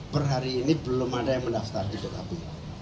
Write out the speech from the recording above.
perhari ini belum ada yang mendaftar di dok apu